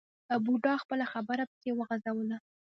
بوډا خپله خبره پسې وغځوله.